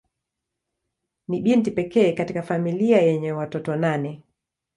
Ni binti pekee katika familia yenye watoto nane.